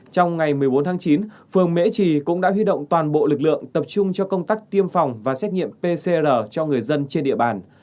trong ngày một mươi bốn tháng chín phường mễ trì cũng đã huy động toàn bộ lực lượng tập trung cho công tác tiêm phòng và xét nghiệm pcr cho người dân trên địa bàn